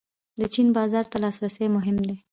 د چین بازار ته لاسرسی مهم دی